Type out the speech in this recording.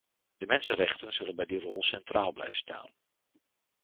De mensenrechten zullen bij die rol centraal blijven staan.